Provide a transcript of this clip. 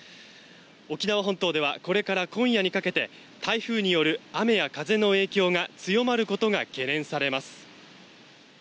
沖縄本島ではこれから今夜にかけて台風による雨や風の影響が強まることが懸念されます。